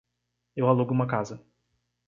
Eu alugo uma casa.